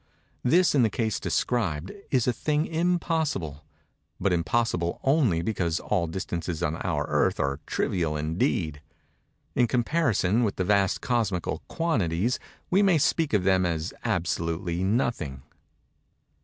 This, in the case described, is a thing impossible; but impossible only because all distances on our Earth are trivial indeed:—in comparison with the vast cosmical quantities, we may speak of them as absolutely nothing.